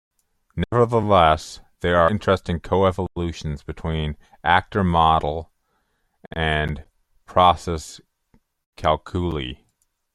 Nevertheless there are interesting co-evolutions between the Actor Model and Process Calculi.